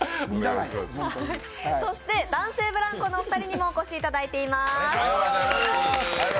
そして男性ブランコのお二人にもお越しいただいています。